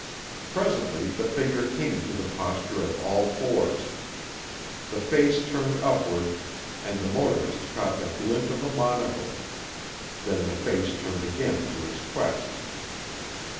Presently the figure came to the posture of all fours. The face turned upward, and the motorist caught the glint of a monocle. Then the face turned again to its quest.